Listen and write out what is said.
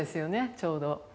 ちょうど。